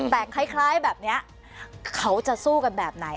แต่คล้ายแบบนี้เขาจะสู้กันแบบไหน